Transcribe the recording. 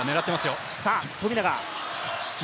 富永。